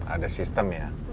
ada sistem ya